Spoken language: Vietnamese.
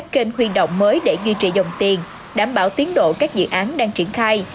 kênh khuyên động mới để duy trì dòng tiền đảm bảo tiến độ các dự án đang triển khai